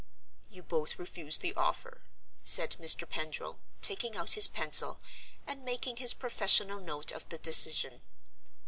"You both refuse the offer," said Mr. Pendril, taking out his pencil, and making his professional note of the decision.